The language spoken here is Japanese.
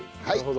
はい。